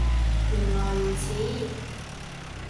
原來如此